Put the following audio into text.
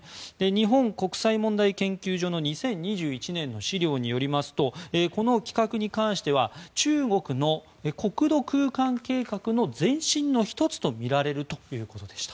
日本国際問題研究所の２０２１年の資料によりますとこの規画に関しては中国の国土空間計画の前進の１つとみられるということでした。